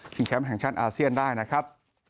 แชมป์แห่งชาติอาเซียนได้นะครับ